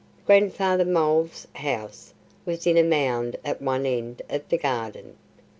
Grandfather Mole's house was in a mound at one end of the garden.